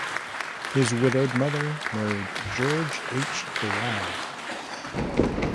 His widowed mother married George H. DeWilde.